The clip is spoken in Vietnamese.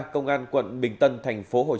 công an quận bình tân tp hcm phát hiện